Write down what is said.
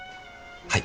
はい。